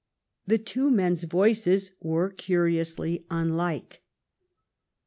The two men's voices were curiously unlike.